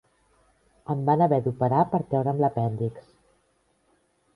Em van haver d'operar per treure'm l'apèndix.